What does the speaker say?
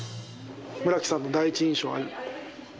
村木さんの第一印象は？